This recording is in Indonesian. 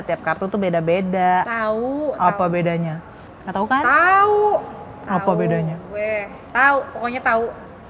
tiap kartu itu beda beda tahu apa bedanya atau tahu apa bedanya weh tahu pokoknya tahu